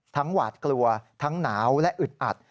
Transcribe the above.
หวาดกลัวทั้งหนาวและอึดอัด